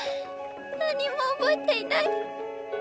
⁉何にも覚えていない！